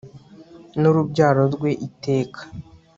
n'urubyaro rwe iteka